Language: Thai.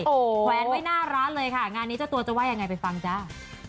แขวนไว้หน้าร้านเลยค่ะงานนี้เจ้าตัวจะว่ายังไงไปฟังจ้า